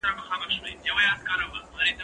زه اوږده وخت ليکنې کوم!؟